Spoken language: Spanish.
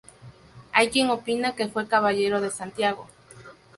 Hay quien opina que fue caballero de Santiago.